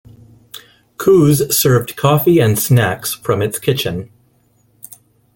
Koo's served coffee and snacks from its kitchen.